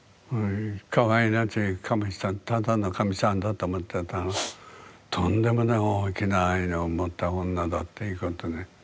かわいらしい髪したただのかみさんだと思ったらとんでもない大きな愛をもった女だっていうことで。